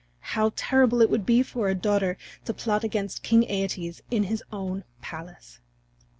How terrible it would be for a daughter to plot against King Æetes in his own palace!